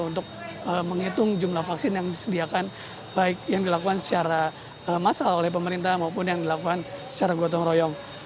untuk menghitung jumlah vaksin yang disediakan baik yang dilakukan secara massal oleh pemerintah maupun yang dilakukan secara gotong royong